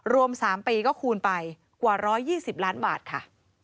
รวม๓ปีก็คูณไปกว่า๑๒๐ล้านบาทค่ะ